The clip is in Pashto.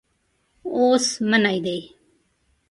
اوس منی دی.